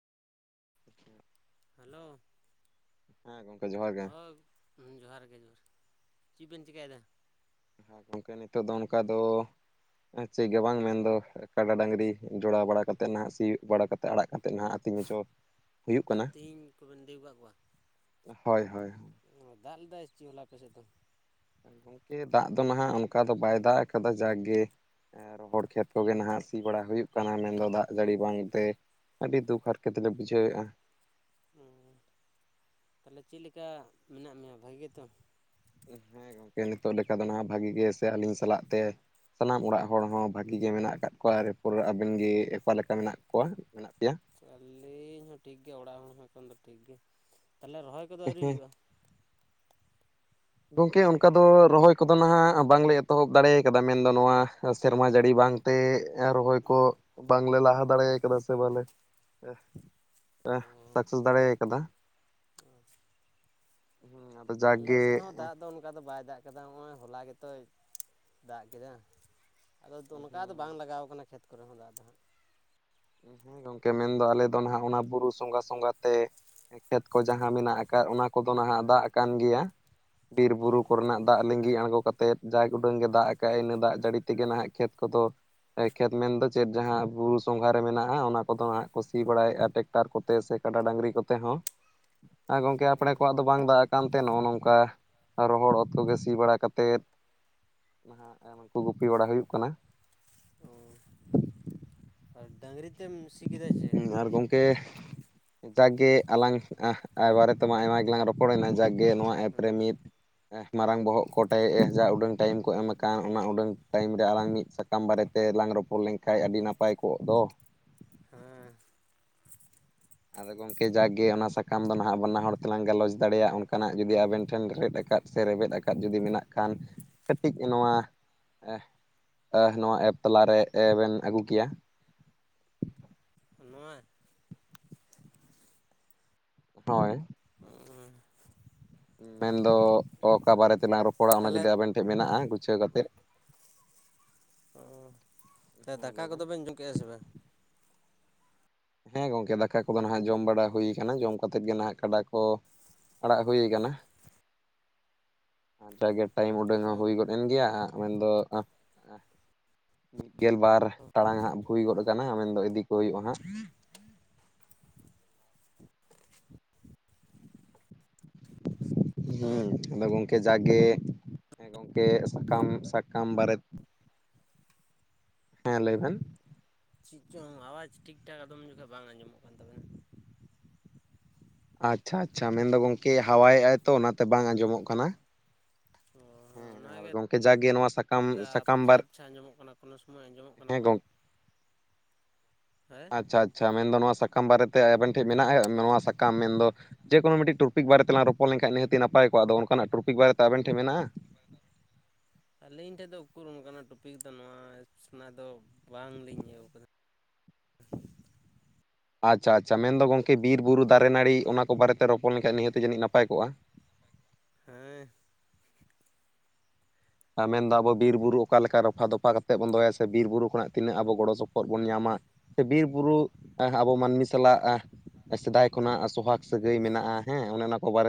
[inaudible] Hello ᱦᱮᱸ ᱜᱚᱝᱠᱮ ᱡᱚᱦᱟᱨ ᱜᱮ [unintelligible] ᱦᱩᱸ ᱡᱚᱦᱟᱨ ᱜᱮ ᱡᱚᱦᱟᱨ ᱪᱤᱜ ᱵᱮᱱ ᱪᱮᱠᱟᱭᱫᱟ? ᱦᱮᱸ ᱜᱚᱝᱠᱮ ᱱᱤᱛᱚᱜ ᱫᱚ ᱚᱱᱠᱟ ᱫᱚ ᱮᱸ ᱪᱮᱜ ᱜᱮ ᱵᱟᱝ ᱢᱮᱱᱫᱚ ᱠᱟᱰᱟ ᱰᱟᱹᱝᱨᱤ ᱡᱚᱲᱟᱣ ᱵᱟᱲᱟ ᱠᱟᱛᱮᱜ ᱱᱟᱦᱟᱜ ᱥᱤᱭᱳᱜ ᱵᱟᱲᱟ ᱠᱟ ᱛᱮ ᱟᱲᱟᱜ ᱠᱟᱛᱮᱫ ᱱᱟᱦᱟᱜ ᱟᱹᱛᱤᱧ ᱚᱪᱚ ᱦᱩᱭᱩᱜ ᱟᱨ ᱠᱟᱱᱟ᱾ ᱛᱮᱦᱤᱧ ᱠᱚᱵᱮᱱ ᱫᱮᱣ ᱦᱚᱭ ᱦᱚᱭ᱾ ᱚ ᱫᱟᱜ ᱞᱮᱫᱟᱭ ᱥᱮᱪᱮᱫ ᱦᱚᱞᱟ ᱟᱯᱮ ᱥᱮᱫ ᱫᱚ? ᱜᱚᱝᱠᱮ ᱫᱟᱜ ᱫᱚ ᱱᱟᱦᱟᱜ ᱚᱱᱠᱟ ᱫᱚ ᱵᱟᱭ ᱫᱟᱜ ᱠᱟᱫᱟ ᱡᱟᱠ ᱜᱮ ᱮ ᱨᱚᱦᱚᱲ ᱠᱷᱮᱛ ᱠᱚᱜᱮ ᱱᱟᱦᱟᱜ ᱥᱤ ᱵᱟᱲᱟ ᱦᱩᱭᱩᱜ ᱠᱟᱱᱟ ᱢᱮᱱᱫᱚ ᱫᱟᱜ ᱡᱟᱹᱲᱤ ᱵᱟᱝ ᱛᱮ᱾ ᱟᱹᱰᱤ ᱫᱩᱠ ᱦᱟᱨᱠᱮᱛ ᱞᱮ ᱵᱩᱡᱷᱟᱹᱣᱮᱜᱼᱟ᱾ ᱚᱸ ᱛᱟᱦᱞᱮ ᱪᱮᱜ ᱞᱮᱠᱟ ᱢᱮᱱᱟᱜ ᱢᱮᱭᱟ ᱵᱷᱟᱜᱮ ᱛᱚ? ᱦᱮᱸ ᱜᱚᱝᱠᱮ ᱱᱤᱛᱚᱜ ᱞᱮᱠᱟ ᱫᱚ ᱱᱟᱦᱟᱜ ᱵᱷᱟᱜᱤ ᱜᱮ ᱥᱮ ᱟᱹᱞᱤᱧ ᱥᱟᱞᱟᱜ ᱛᱮ ᱥᱟᱱᱟᱢ ᱚᱲᱟᱜ ᱦᱚᱲ ᱦᱚᱸ ᱵᱷᱟᱹᱜᱮ ᱜᱮ ᱢᱮᱱᱟᱜ ᱠᱟᱫ ᱠᱚᱣᱟ, ᱮᱨᱯᱚᱨ ᱟᱵᱮᱱ ᱜᱮ ᱚᱠᱟ ᱞᱮᱠᱟ ᱢᱮᱱᱟᱜ ᱠᱚᱣᱟ? ᱢᱮᱱᱟᱜ ᱯᱮᱭᱟ? ᱟᱹᱞᱤᱧ ᱦᱚᱸ ᱴᱷᱤᱠ ᱜᱮ ᱚᱲᱟᱜ ᱦᱚᱲ ᱦᱚᱸ ᱮᱠᱷᱚᱱ ᱫᱚ ᱴᱷᱤᱠ ᱜᱮ᱾ ᱛᱟᱞᱦᱮ ᱨᱚᱦᱚᱭ ᱠᱚᱫᱚ ᱟᱹᱣᱨᱤ ᱦᱩᱭᱩᱜᱼᱟ? ᱜᱚᱝᱠᱮ ᱚᱱᱠᱟ ᱫᱚ ᱨᱚᱦᱚᱭ ᱠᱚᱫᱚ ᱱᱟᱦᱟᱜ ᱵᱟᱝᱞᱮ ᱮᱛᱚᱦᱚᱵ ᱫᱟᱲᱮᱭ ᱠᱟᱫᱟ ᱢᱮᱱᱫᱚ ᱱᱚᱣᱟ ᱥᱮᱨᱢᱟ ᱡᱟᱹᱲᱤ ᱵᱟᱝ ᱛᱮ ᱮᱸ ᱨᱚᱦᱚᱭ ᱠᱚ ᱵᱟᱝᱞᱮ ᱞᱟᱦᱟ ᱫᱟᱲᱮ ᱠᱟᱫᱟ ᱥᱮ ᱵᱟᱞᱮ ᱮᱦ ᱮᱦ ᱚ ᱥᱟᱠᱥᱮᱥ ᱫᱟᱲᱮ ᱟᱠᱟᱫᱟ᱾ ᱟᱞᱮ ᱥᱮᱱ ᱦᱚᱸ ᱫᱟᱜ ᱫᱚ ᱚᱱᱠᱟ ᱫᱚ ᱵᱟᱭ ᱫᱟᱜ ᱠᱟᱫᱟ ᱦᱚᱸᱜᱼᱚᱭ ᱦᱚᱞᱟ ᱜᱮᱛᱚᱭ ᱫᱟᱜ ᱠᱮᱫᱟ᱾ ᱟᱫᱚ ᱛᱚᱱᱠᱟ ᱫᱚ ᱵᱟᱝ ᱞᱟᱜᱟᱣ ᱠᱟᱱᱟ ᱠᱷᱮᱛ ᱠᱚᱨᱮ ᱦᱚᱸ ᱫᱟᱜ ᱫᱚ ᱦᱟᱸᱜ᱾ ᱦᱮᱸ ᱜᱚᱝᱠᱮ ᱢᱮᱱᱫᱚ ᱟᱞᱮ ᱫᱚ ᱱᱟᱦᱟᱜ ᱚᱱᱟ ᱵᱩᱨᱩ ᱥᱚᱸᱜᱷᱟ ᱥᱚᱸᱜᱷᱟ ᱛᱮ ᱠᱷᱮᱛ ᱠᱚ ᱡᱟᱦᱟᱸ ᱢᱮᱱᱟᱜ ᱠᱟᱜ ᱚᱱᱟ ᱠᱚᱫᱚ ᱱᱟᱦᱟᱜ ᱫᱟᱜ ᱟᱠᱟᱱ ᱜᱮᱭᱟ, ᱵᱤᱨ ᱵᱩᱨᱩ ᱠᱚᱨᱮᱱᱟᱜ ᱫᱟᱜ ᱞᱤᱸᱜᱤ ᱟᱬᱜᱚ ᱠᱟᱛᱮᱫ ᱡᱟᱠ ᱩᱰᱟᱹᱝ ᱜᱮ ᱫᱟᱜ ᱟᱠᱟᱜᱼᱮ ᱤᱱᱟᱹ ᱫᱟᱜ ᱡᱟᱹᱲᱤ ᱛᱮᱜᱮ ᱱᱟᱦᱟᱜ ᱠᱷᱮᱛ ᱠᱚᱫᱚ ᱮ ᱠᱷᱮᱛ ᱢᱮᱱ ᱫᱚ ᱪᱮᱫ ᱡᱟᱦᱟᱸ ᱵᱩᱨᱩ ᱥᱚᱝᱜᱷᱟ ᱨᱮ ᱢᱮᱱᱟᱜᱼᱟ ᱚᱱᱟ ᱠᱚᱫᱚ ᱦᱟᱸᱜ ᱠᱚ ᱥᱤ ᱵᱟᱲᱟᱭᱮᱜᱼᱟ ᱴᱮᱠᱴᱟᱨ ᱠᱚᱛᱮ ᱥᱮ ᱠᱟᱰᱟ ᱰᱟᱹᱝᱨᱤ ᱠᱚᱛᱮ ᱦᱚᱸ᱾ ᱟ ᱜᱚᱝᱠᱮ ᱟᱯᱲᱮ ᱠᱚᱣᱟᱜ ᱫᱚ ᱵᱟᱝ ᱫᱟᱜ ᱟᱠᱟᱱ ᱛᱮ ᱱᱚᱜᱼᱚ ᱱᱚᱝᱠᱟ ᱨᱚᱦᱚᱲ ᱚᱛ ᱠᱚᱜᱮ ᱥᱤ ᱵᱟᱲᱟ ᱠᱟᱛᱮᱫ ᱱᱟᱦᱟᱜ ᱮ ᱱᱩᱠᱩ ᱜᱩᱯᱤ ᱵᱟᱲᱟ ᱦᱩᱭᱩᱜ ᱠᱟᱱᱟ᱾ ᱚ᱾ ᱟᱨ ᱰᱟᱹᱟᱝᱨᱤ ᱛᱮᱢ ᱥᱤ ᱠᱮᱫᱟ ᱪᱮ? ᱟᱨ ᱜᱚᱝᱠᱮ ᱡᱟᱠᱜᱮ ᱟᱞᱟᱝ ᱟᱸᱦ ᱟ ᱵᱟᱨᱮ ᱛᱮᱢᱟ ᱟᱭᱢᱟ ᱜᱮᱞᱟᱝ ᱨᱚᱯᱚᱲᱮᱱᱟ ᱡᱟᱠᱜᱮ ᱱᱚᱣᱟ ᱮᱯ ᱦᱮᱸ ᱨᱮ ᱢᱤᱫ ᱮ ᱢᱟᱨᱟᱝ ᱵᱚᱦᱚᱜ ᱠᱚ ᱴᱮ ᱮ ᱡᱟ ᱩᱰᱟᱹᱝ ᱴᱟᱭᱤᱢ ᱠᱚ ᱮᱢ ᱟᱠᱟᱱ, ᱚᱱᱟ ᱩᱰᱟᱹᱝ ᱴᱟᱭᱤᱢ ᱨᱮ ᱟᱞᱟᱝ ᱢᱤᱫ ᱥᱟᱠᱟᱢ ᱵᱟᱨᱮᱛᱮ ᱞᱟᱝ ᱨᱚᱯᱚᱲ ᱞᱮᱱᱠᱷᱟᱡ ᱟᱹᱰᱤ ᱱᱟᱯᱟᱭ ᱠᱚᱜ ᱫᱚ᱾ ᱦᱮᱸ᱾ ᱟᱫᱚ ᱜᱚᱝᱠᱮ ᱡᱟᱠᱜᱮ ᱚᱱᱟ ᱥᱟᱠᱟᱢ ᱫᱚ ᱱᱟᱦᱟᱜ ᱵᱟᱱᱟ ᱦᱚᱲ ᱛᱮᱞᱟᱝ ᱜᱟᱞᱚᱪ ᱫᱟᱲᱮᱭᱟᱜ ᱚᱱᱠᱟᱱᱟᱜ ᱡᱩᱫᱤ ᱟᱵᱮᱱ ᱴᱷᱮᱱ ᱨᱮᱫ ᱟᱠᱟᱫ ᱥᱮ ᱨᱮᱵᱮᱫ ᱟᱠᱟᱫᱟ ᱡᱩᱫᱤ ᱢᱮᱱᱟᱜ ᱠᱷᱟᱱ ᱠᱟᱹᱴᱤᱡ ᱱᱚᱣᱟ ᱮᱷ ᱟᱦ ᱱᱚᱣᱟ ᱮᱯ ᱛᱟᱞᱟᱨᱮ ᱮ ᱵᱮᱱ ᱟᱹᱜᱩ ᱠᱮᱭᱟ᱾ ᱱᱚᱣᱟ? ᱦᱳᱭ᱾ [inaudible] ᱢᱮᱱᱫᱚ ᱚᱠᱟ ᱵᱟᱨᱮ ᱛᱮᱞᱟᱝ ᱨᱚᱯᱚᱲᱟ ᱚᱱᱟ ᱛᱟᱦᱚᱞᱮ ᱡᱩᱫᱤ ᱟᱵᱮᱱ ᱴᱷᱮᱡ ᱢᱮᱱᱟᱜᱼᱟ ᱜᱩᱪᱷᱟᱹᱣ ᱠᱟᱛᱮᱫ ᱚ᱾ ᱛᱮ ᱦᱮᱸ ᱫᱟᱠᱟ ᱞᱟᱹᱭ ᱠᱚᱫᱚ ᱵᱮᱱ ᱡᱚᱢ ᱠᱮᱜ-ᱟ ᱥᱮ ᱵᱟᱝ? ᱦᱮᱸ ᱜᱚᱝᱠᱮ ᱫᱟᱠᱟ ᱠᱚᱫᱚ ᱱᱟᱦᱟᱜ ᱡᱚᱢ ᱵᱟᱲᱟ ᱦᱩᱭ ᱠᱟᱱᱟ ᱡᱚᱢ ᱠᱟᱛᱮᱫ ᱜᱮ ᱱᱟᱦᱟᱸᱜ ᱠᱟᱰᱟ ᱠᱚ ᱟᱲᱟᱜ ᱦᱳᱭ ᱠᱟᱱᱟ᱾ [unintelligible] ᱡᱟᱜᱮ ᱴᱟᱭᱤᱢ ᱩᱰᱟᱹᱝ ᱚ ᱦᱚᱸ ᱦᱩᱭ ᱜᱚᱫ ᱮᱱ ᱜᱮᱭᱟ ᱢᱮᱱ ᱫᱚ ᱢᱤᱫ ᱜᱮᱞ ᱵᱟᱨ ᱴᱟᱲᱟᱝ ᱦᱟᱸᱜ ᱦᱩᱭ ᱜᱚᱫ ᱟᱠᱟᱱᱟ ᱢᱮᱱ ᱫᱚ ᱤᱫᱤ ᱠᱚ ᱦᱩᱭᱩᱜ-ᱟ ᱦᱟᱸᱜ᱾ [unintelligible] ᱦᱮᱸ ᱟᱫᱚ ᱜᱚᱝᱠᱮ ᱡᱟᱜᱮ ᱦᱮᱸ ᱜᱚᱝᱠᱮ ᱥᱟᱠᱟᱢ ᱥᱟᱠᱟᱢ ᱵᱟᱨᱮᱫ, ᱦᱮᱸ ᱞᱟᱹᱭ ᱵᱮᱱ᱾ ᱪᱤᱜ ᱪᱚᱜ ᱟᱣᱟᱡ ᱴᱷᱤᱠ ᱴᱷᱟᱠ ᱟᱫᱚᱢ ᱡᱚᱠᱷᱚᱡ ᱵᱟᱝ ᱟᱸᱡᱚᱢᱚᱜ ᱠᱟᱱ ᱛᱟᱵᱮᱱᱟ᱾ ᱟᱪᱪᱷᱟ ᱟᱪᱪᱷᱟ ᱢᱮᱱ ᱫᱚ ᱜᱚᱝᱠᱮ ᱦᱟᱣᱟᱭ ᱮᱜ-ᱟᱭ ᱛᱚ ᱚᱱᱟᱛᱮ ᱵᱟᱝ ᱟᱸᱡᱚᱢᱚᱜ ᱠᱟᱱᱟ᱾ ᱚ ᱦᱮᱸ ᱚᱱᱟᱜᱮ ᱟᱨ ᱜᱮᱯ ᱜᱚᱝᱠᱮ ᱡᱟᱜᱮ ᱱᱚᱣᱟ ᱥᱟᱠᱟᱢ [inaudible] ᱥᱟᱠᱟᱢ ᱟᱯᱪᱷᱟ ᱵᱟᱨ ᱟᱯᱪᱷᱟ ᱟᱸᱡᱚᱢᱚᱜ ᱠᱟᱱᱟ ᱠᱳᱱᱳ ᱥᱚᱢᱚᱭ ᱟᱸᱡᱚᱢᱚᱜ ᱠᱟᱱᱟ ᱦᱮᱸ ᱠᱚ᱾ ᱜᱚᱝᱠᱮ ᱦᱮᱸ ᱟᱪᱪᱷᱟ ᱟᱪᱪᱷᱟ ᱢᱮᱱ ᱫᱚ ᱱᱚᱣᱟ ᱥᱟᱠᱟᱢ ᱵᱟᱨᱮ ᱛᱮ ᱟᱵᱮᱱ ᱴᱷᱮᱱ ᱢᱮᱱᱟᱜ-ᱟ ᱱᱚᱣᱟ ᱥᱟᱠᱟᱢ ᱢᱮᱱ ᱫᱚ ᱡᱮ ᱠᱳᱱᱳ ᱢᱤᱫᱴᱤᱡ ᱴᱚᱯᱤᱠ ᱵᱟᱨᱮ ᱛᱮᱞᱟᱝ ᱨᱚᱯᱚᱲ ᱞᱮᱠᱷᱟᱡ ᱱᱤᱦᱟᱹᱛᱤ ᱱᱟᱯᱟᱭ ᱠᱚᱜ-ᱟ, ᱟᱫᱚ ᱚᱱᱠᱟᱱᱟᱜ ᱴᱚᱯᱤᱠ ᱵᱟᱨᱮᱛᱮ ᱟᱵᱤᱱ ᱴᱷᱮᱡ ᱢᱮᱱᱟᱜ-ᱟ? ᱵᱟᱨᱮ ᱛᱮ ᱟᱵᱮᱱ ᱴᱮᱱ ᱢᱮᱱᱟᱜ-ᱟ? ᱟᱹᱞᱤᱧ ᱴᱷᱮᱱ ᱫᱚ ᱩᱠᱩᱨ ᱚᱱᱠᱟᱱᱟᱜ ᱴᱚᱯᱤᱠ ᱫᱚ ᱱᱚᱣᱟ ᱥᱮᱱᱟᱜ ᱫᱚ ᱵᱟᱝ ᱞᱤᱧ ᱤᱭᱟᱹ ᱠᱟᱫᱟ᱾ ᱟᱪᱪᱷᱟ ᱟᱪᱪᱷᱟ ᱢᱮᱱ ᱫᱚ ᱜᱚᱝᱠᱮ ᱵᱤᱨ ᱵᱩᱨᱩ ᱫᱟᱨᱮ ᱱᱟᱲᱤ ᱚᱱᱟ ᱠᱚ ᱵᱟᱨᱮ ᱛᱮ ᱨᱚᱯᱚᱲ ᱞᱮᱱᱠᱷᱟᱡ ᱱᱤᱦᱟᱹᱛᱤ ᱡᱟᱹᱱᱤᱡ ᱱᱟᱯᱟᱭ ᱠᱚᱜ-ᱟ [inaudible] ᱟᱨ ᱢᱮᱱ ᱫᱚ ᱟᱵᱚ ᱵᱤᱨ-ᱵᱩᱨᱩ ᱚᱠᱟ ᱞᱮᱠᱟ ᱨᱚᱯᱷᱟ ᱫᱚᱯᱷᱟ ᱠᱟᱛᱮᱫ ᱵᱚᱱ ᱫᱚᱦᱚᱭᱟ ᱥᱮ ᱵᱤᱨ ᱵᱩᱨᱩ ᱠᱷᱚᱱᱟᱜ ᱛᱤᱱᱟᱹᱜ ᱟᱵᱚ ᱜᱚᱲᱚ ᱥᱚᱯᱚᱦᱚᱫ ᱵᱚᱱ ᱧᱟᱢᱟ᱾ [inaudible] ᱵᱩᱨᱩ ᱟᱵᱚ ᱢᱟᱹᱱᱢᱤ ᱥᱟᱞᱟᱜ ᱥᱮᱫᱟᱭ ᱠᱷᱚᱱᱟᱜ ᱥᱚᱦᱟᱜ ᱥᱟᱹᱜᱟᱹᱭ ᱢᱮᱱᱟᱜ-ᱟ ᱦᱮᱸ ᱚᱱᱮ ᱚᱱᱟ ᱠᱚ ᱵᱟᱨᱮ᱾